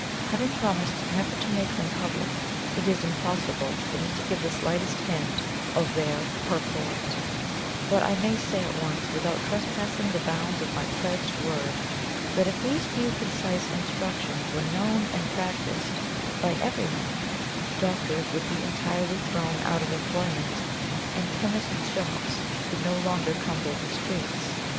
Having promised never to make them public, it is impossible for me to give the slightest hint of their purport; but I may say at once, without trespassing the bounds of my pledged word, that if these few concise instructions were known and practised by everyone, doctors would be entirely thrown out of employment, and chemists' shops would no longer cumber the streets.